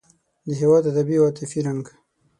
د هېواد ادبي او عاطفي رنګ.